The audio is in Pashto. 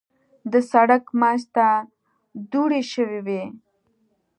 د سړک منځ ته دوړې شوې وې.